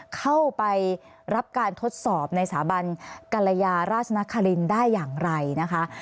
เข้าไปรับการทดสอบในสถาบันกรยาราชนครินได้อย่างไรนะคะ